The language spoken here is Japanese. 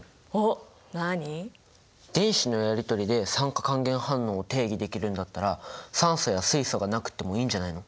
電子のやりとりで酸化還元反応を定義できるんだったら酸素や水素がなくってもいいんじゃないの？